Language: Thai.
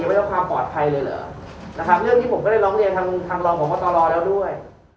ไม่ต้องความปลอดภัยเลยเหรอนะครับเรื่องนี้ผมก็ได้ร้องเรียนทางทางรองพบตรแล้วด้วย